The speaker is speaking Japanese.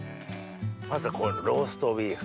まずはこのローストビーフ。